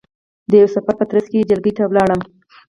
د یوه سفر په ترځ کې جلگې ته ولاړم،